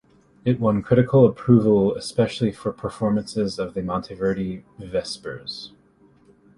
It won critical approval especially for performances of the Monteverdi Vespers.